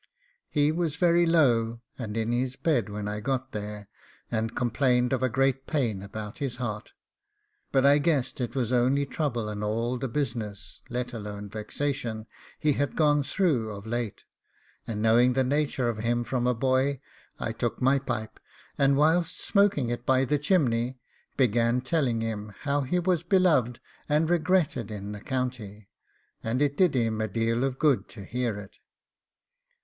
He was very low, and in his bed, when I got there, and complained of a great pain about his heart; but I guessed it was only trouble and all the business, let alone vexation, he had gone through of late; and knowing the nature of him from a boy, I took my pipe, and whilst smoking it by the chimney began telling him how he was beloved and regretted in the county, and it did him a deal of good to hear it.